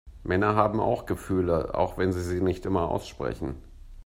Männer haben auch Gefühle, auch wenn sie sie nicht immer aussprechen.